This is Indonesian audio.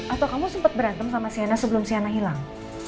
atau kamu sempet berantem sama sienna sebelum sienna hilang